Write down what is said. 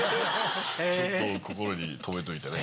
ちょっと心に留めといてね。